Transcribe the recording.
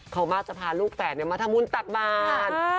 เขามาซัพภาลูกแฝงมาทำบุญตัดบาล